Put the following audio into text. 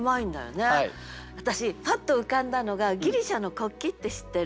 私パッと浮かんだのがギリシャの国旗って知ってる？